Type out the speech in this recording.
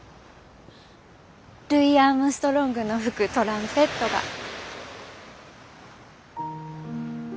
ルイ・アームストロングの吹くトランペットが。